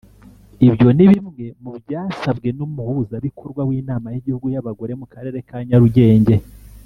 Ibyo ni bimwe mu byasabwe n’Umuhuzabikorwa w’Inama y’Igihugu y’Abagore mu Karere ka Nyarugenge